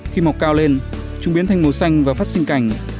khi mọc cao lên chúng biến thành màu xanh và phát sinh cảnh